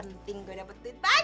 penting gue dapetin banyak